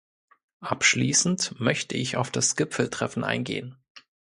Abschließend möchte ich auf das Gipfeltreffen eingehen.